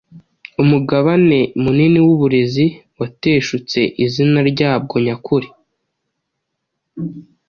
Umugabane munini w’uburezi wateshutse izina ryabwo nyakuri.